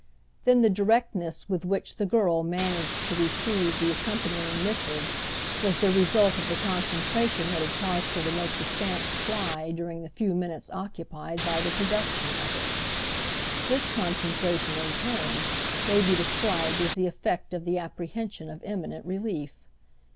Then the directness with which the girl managed to receive the accompanying missive was the result of the concentration that had caused her to make the stamps fly during the few minutes occupied by the production of it. This concentration, in turn, may be described as the effect of the apprehension of imminent relief.